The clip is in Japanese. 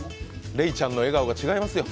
レイちゃんの笑顔が違いますよ。